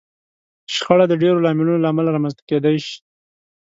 شخړه د ډېرو لاملونو له امله رامنځته کېدای شي.